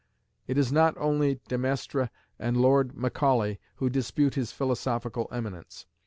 It is not only De Maistre and Lord Macaulay who dispute his philosophical eminence.